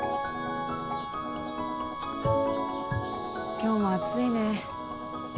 今日も暑いね。